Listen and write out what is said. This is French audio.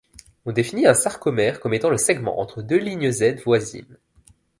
On définit un sarcomère comme étant le segment entre deux lignes-Z voisines.